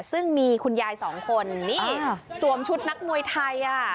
ซึ่งมีคุณยายสองคนนี่สวมชุดนักมวยไทย